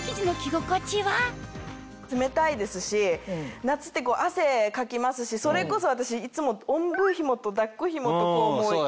冷たいですし夏って汗かきますしそれこそ私いつもおんぶ紐と抱っこ紐と。